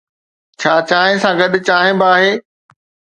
ڇا چانهه سان گڏ چانهه به آهي؟